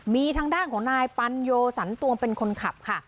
มีทางด้านของนายปัญโยสันตวงเป็นคนขับค่ะ